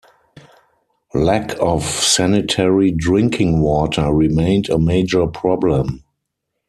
Lack of sanitary drinking water remained a major problem.